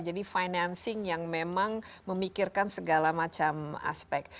jadi financing yang memang memikirkan segala macam aspek